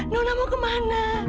nona mau kemana